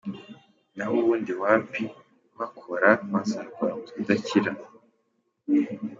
nahubundi wapi kuhakora wazarwara umutwe udakira.